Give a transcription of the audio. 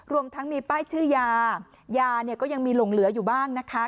รวมทั้งมีป้ายชื่อยายาเนี่ยก็ยังมีหลงเหลืออยู่บ้างนะคะ